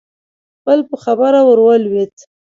بل په خبره کې ورولوېد: